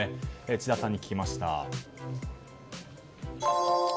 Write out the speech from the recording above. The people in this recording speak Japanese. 智田さんに聞きました。